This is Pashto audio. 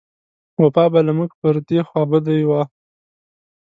وفا به له موږ پر دې خوابدۍ و.